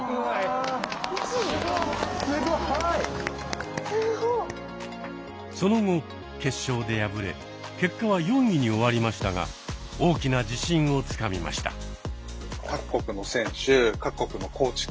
すごい！その後決勝で敗れ結果は４位に終わりましたが大きな自信をつかみました。